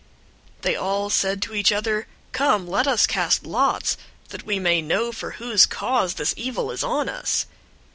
001:007 They all said to each other, "Come, let us cast lots, that we may know for whose cause this evil is on us."